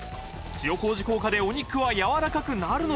塩麹効果でお肉はやわらかくなるのか？